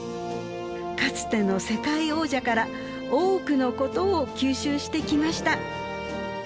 かつての世界王者から多くのことを吸収してきました。